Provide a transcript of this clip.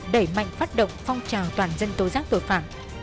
đẩy mạnh phát động phong trào toàn dân tố giác tội phạm